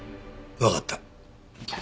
わかった。